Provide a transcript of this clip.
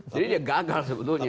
jadi dia gagal sebetulnya